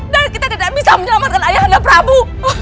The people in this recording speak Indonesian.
dan kita tidak bisa menyelamatkan ayah anda prabu